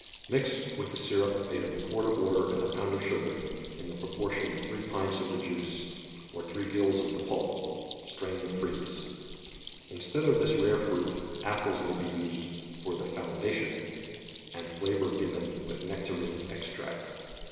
Mix with the syrup made of a quart of water and a pound of sugar in the proportion of three pints of the juice, or three gills of the pulp; strain and freeze. Instead of this rare fruit, apples may be used for " the foundation," and flavor given with Nectarine Extract.